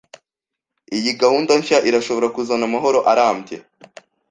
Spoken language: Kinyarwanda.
Iyi gahunda nshya irashobora kuzana amahoro arambye.